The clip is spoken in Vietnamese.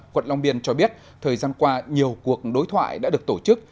quận long biên cho biết thời gian qua nhiều cuộc đối thoại đã được tổ chức